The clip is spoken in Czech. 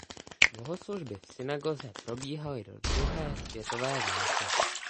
Bohoslužby v synagoze probíhaly do druhé světové války.